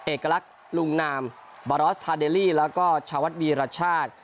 เอกลักษณ์ลุงนามบารอสทาเดลี่แล้วก็ชาวัดวีรชาติ